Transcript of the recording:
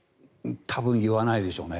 多分言わないでしょうね。